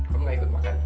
kamu gak ikut makan